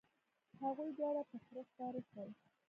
هغوی دواړه په خره سپاره شول.